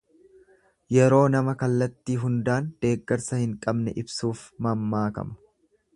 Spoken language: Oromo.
Yeroo nama kallatti hundaan deeggarsa hin qabne ibsuuf mammaakama.